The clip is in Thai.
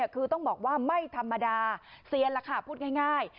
คือต้องบอกว่าไม่ธรรมดาเซียนราคาพูดง่าย